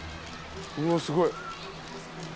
うわすごい。